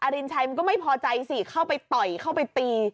รินชัยมันก็ไม่พอใจสิเข้าไปต่อยเข้าไปตี